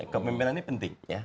kepimpinan ini penting ya